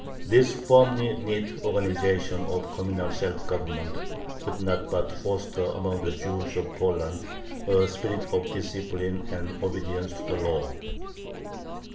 This firmly knit organization of communal self government could not but foster among the Jews of Poland a spirit of discipline and obedience to the law.